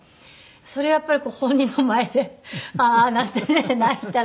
それやっぱり本人の前でああーなんてね泣いたら。